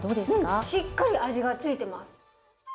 うんしっかり味が付いてます。